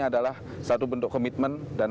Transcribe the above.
adalah satu bentuk komitmen dan